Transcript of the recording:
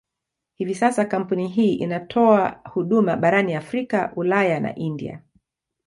Hivi sasa kampuni hii inatoa huduma barani Afrika, Ulaya na India.